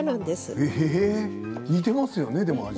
似てますよね。